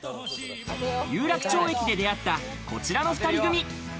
有楽町駅で出会ったこちらの２人組。